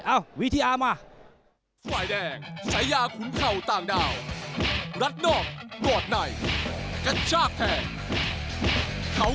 เอ้าวิทยามา